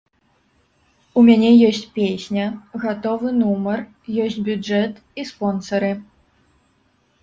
У мяне ёсць песня, гатовы нумар, ёсць бюджэт і спонсары.